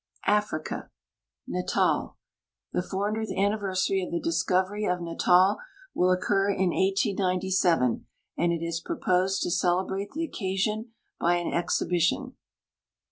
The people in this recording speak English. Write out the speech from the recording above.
AFRICA Natal. The 400th anniversary of the discovery of Natal will occur in 1897, and it is proposed to celebrate the occasion by an exhibition.